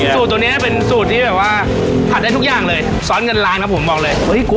สูตรตรงนี้สูตรที่แบบว่าผัดได้ทุกอย่างเลยซ้อนกันล้างครับผมบอกเลย